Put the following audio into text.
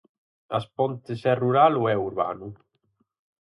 ¿As Pontes é rural ou é urbano?